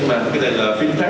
mà cái này là phim phát